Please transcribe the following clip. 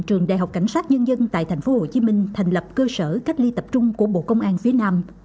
trường đại học cảnh sát nhân dân tại thành phố hồ chí minh thành lập cơ sở cách ly tập trung của bộ công an phía nam